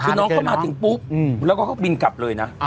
คือน้องเขามาถึงปุ๊บแล้วก็เขาบินกลับเลยนะ